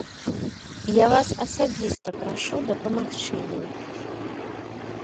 Я вас асабіста прашу дапамагчы ёй.